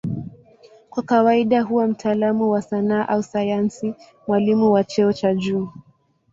Kwa kawaida huwa mtaalamu wa sanaa au sayansi, mwalimu wa cheo cha juu.